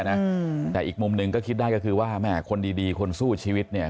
แต่อีกมุมหนึ่งก็คิดได้ก็คือว่าแม่คนดีดีคนสู้ชีวิตเนี่ย